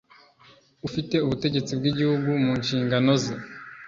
ufite ubutegetsi bw Igihugu mu nshingano ze